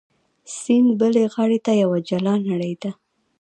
سیند بلې غاړې ته یوه جلا نړۍ ده.